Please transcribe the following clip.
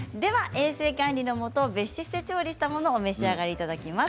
衛生管理のもと別室で調理したものを召し上がっていただきます。